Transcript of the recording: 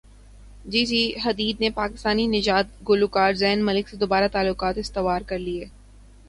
جی جی Hadid نے پاکستانی نژاد گلوکار زین ملک سے دوبارہ تعلقات استوار کرلیے